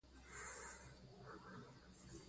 ازادي راډیو د اقلیم په اړه د کارګرانو تجربې بیان کړي.